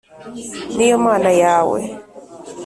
ni yo Mana yawe